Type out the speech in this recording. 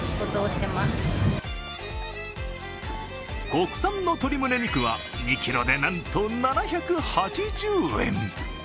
国産の鶏のむね肉は２ｋｇでなんと７８０円。